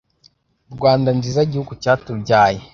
Rwanda nziza gihugu cyatubyaye